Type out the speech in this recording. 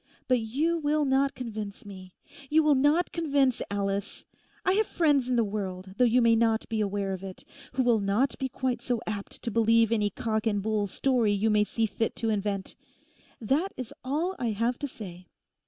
But you will not convince me. You will not convince Alice. I have friends in the world, though you may not be aware of it, who will not be quite so apt to believe any cock and bull story you may see fit to invent. That is all I have to say.